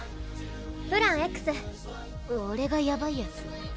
「プランＸ」「俺がやばいやつ？」